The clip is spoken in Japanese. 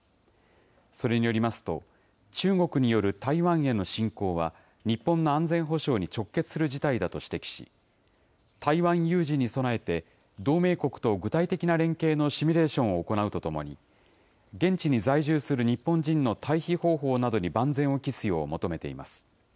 それによりますと、中国による台湾への侵攻は、日本の安全保障に直結する事態だと指摘し、台湾有事に備えて、同盟国と具体的な連携のシミュレーションを行うとともに、現地に在住する日本人の退避方法などに万全を期すよう求めています。